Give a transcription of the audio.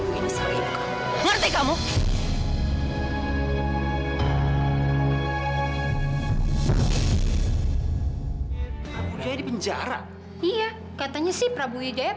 mending lo di penjara aja tuh sana